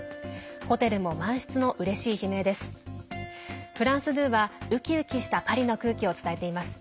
ホテルも満室のうれしい悲鳴です。